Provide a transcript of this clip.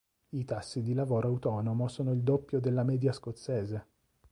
I tassi di lavoro autonomo sono il doppio della media scozzese.